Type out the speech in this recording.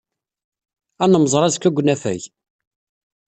Ad nemmẓer azekka deg unafag.